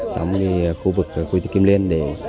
tắm khu vực khu di tích kim liên